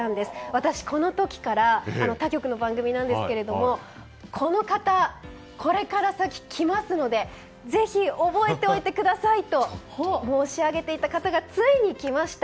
私、この時から他局の番組なんですけれどもこの方、これから先きますのでぜひ覚えておいてくださいと申し上げていた方がついに来ました。